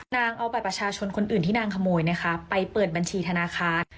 นางเอาบัตรประชาชนคนอื่นที่นางขโมยนะคะไปเปิดบัญชีธนาคาร